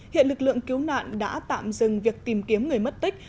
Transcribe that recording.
hiện lực lượng cứu nạn đã tạm dừng việc tìm kiếm người mất tích